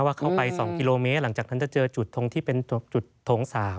ว่าเข้าไป๒กิโลเมตรหลังจากนั้นจะเจอจุดตรงที่เป็นจุดโถง๓